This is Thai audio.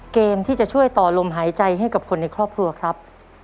เกมที่จะช่วยต่อลมหายใจให้กับคนในครอบครัวครับ